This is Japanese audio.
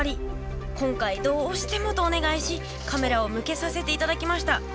今回どうしてもとお願いしカメラを向けさせて頂きました。